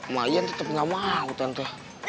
mah iyan tetep gak mau tante